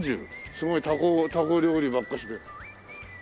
すごい！たこ料理ばっかりで。